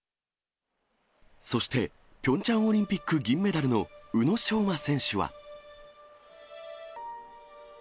そして、ピョンチャンオリンピック銀メダルの宇野昌磨選手は。